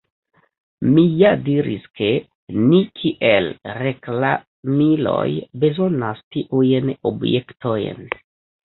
Mi ja diris, ke ni kiel reklamiloj bezonas tiujn objektojn.